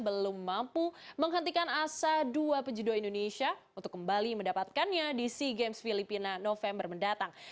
belum mampu menghentikan asa dua penjudo indonesia untuk kembali mendapatkannya di sea games filipina november mendatang